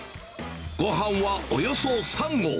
ごはんはおよそ３合。